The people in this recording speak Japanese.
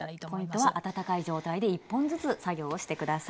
ポイントは温かい状態で１本ずつ作業をして下さい。